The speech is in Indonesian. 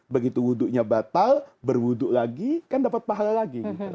begitu wudhunya batal berwudhu lagi kan dapat pahala lagi